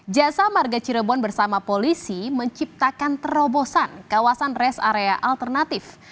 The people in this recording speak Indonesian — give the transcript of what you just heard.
jasa marga cirebon bersama polisi menciptakan terobosan kawasan rest area alternatif